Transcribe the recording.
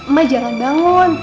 ma jangan bangun